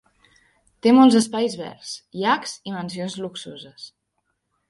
Té molts espais verds, llacs i mansions luxoses.